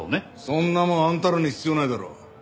そんなもんあんたらに必要ないだろ！